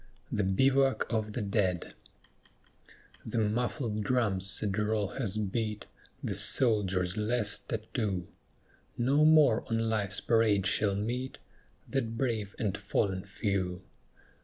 THE BIVOUAC OF THE DEAD The muffled drum's sad roll has beat The soldier's last tattoo; No more on Life's parade shall meet That brave and fallen few.